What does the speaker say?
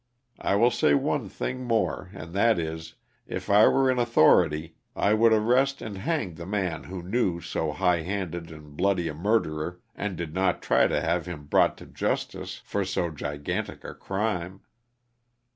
I will say one thing more and that is, if I were in authority I would arrest and hang the man who knew so high handed and bloody a murderer and did not try to have him brought to justice for so gigantic a crime.